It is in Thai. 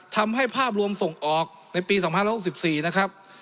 ภาพรวมส่งออกในปี๒๐๖๔นะครับ